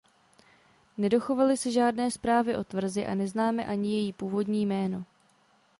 Nedochovaly se žádné zprávy o tvrzi a neznáme ani její původní jméno.